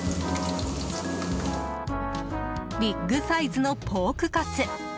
ビッグサイズのポークカツ。